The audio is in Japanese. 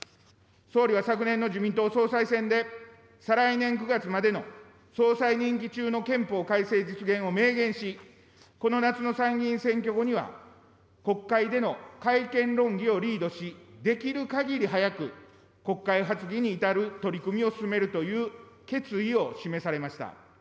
総理は昨年の自民党総裁選で、再来年９月までの総裁任期中の憲法改正実現を明言し、この夏の参議院選挙後には、国会での改憲論議をリードし、できるかぎり早く、国会発議に至る取り組みを進めるという決意を示されました。